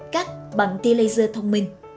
cách bằng tiên laser thông minh